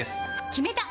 決めた！